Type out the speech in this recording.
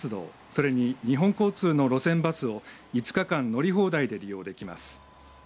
それに日本交通の路線バスを５日間乗り放題で利用できます。